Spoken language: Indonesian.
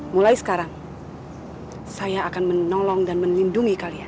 mulai sekarang saya akan menolong dan melindungi kalian